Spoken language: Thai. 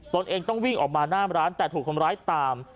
ตัวเองต้องวิ่งออกมาหน้าร้านแต่ถูกคนร้ายตาม